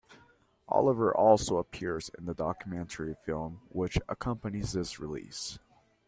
Oliver also appears in the documentary film which accompanies this release.